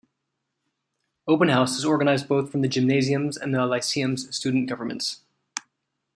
Open House is organized both from the Gymnasium's and the Lyceum's student governments.